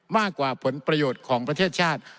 มากกว่าผลประโยชน์ของประเทศชาติ